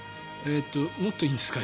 もっといいんですか？